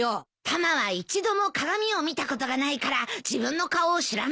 タマは一度も鏡を見たことがないから自分の顔を知らないと思うよ。